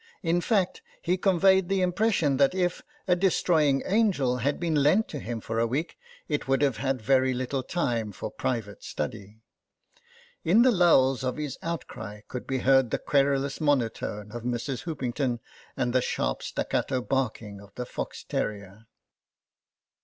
In fact, he conveyed the impression that if a destroying angel had been lent to him for a week it would have had very little time for private study. In the lulls of his outcry could be heard the querulous monotone of Mrs. Hoopington and the sharp staccato barking of the fox terrier.